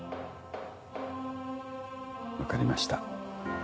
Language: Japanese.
分かりました。